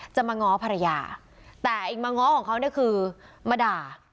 จะมาง้อภรรยาแต่ไอ้มาง้อของเขาเนี่ยคือมาด่า